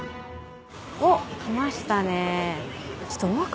おっ来ましたね